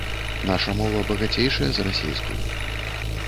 Наша мова багацейшая за расейскую.